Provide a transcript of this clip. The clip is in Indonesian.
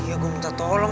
apa udah tuh orang